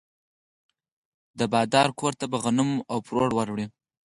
د بادار کور ته به غنم او پروړه وړي.